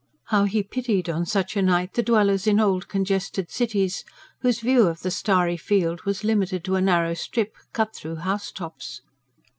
How he pitied, on such a night, the dwellers in old, congested cities, whose view of the starry field was limited to a narrow strip, cut through house tops.